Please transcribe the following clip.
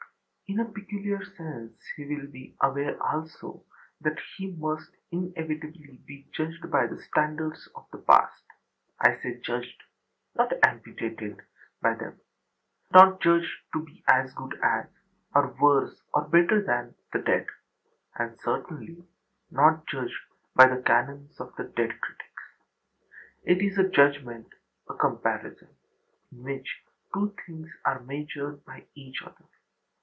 In a peculiar sense he will be aware also that he must inevitably be judged by the standards of the past. I say judged, not amputated, by them; not judged to be as good as, or worse or better than, the dead; and certainly not judged by the canons of dead critics. It is a judgment, a comparison, in which two things are measured by each other.